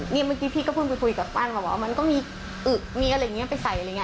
นี่เมื่อกี้พี่ก็เพิ่งไปคุยกับปั้นมาว่ามันก็มีอึกมีอะไรอย่างนี้ไปใส่อะไรอย่างนี้